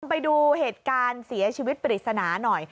ไปดูเหตุการณ์เสียชีวิตปริศนาหน่อย